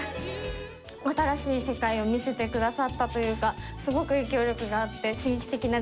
新しい世界を見せてくださったというかすごく影響力があって刺激的な時間でした。